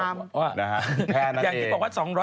นะครับแค่นั้นเอง